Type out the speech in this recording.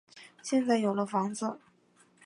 现在有了房子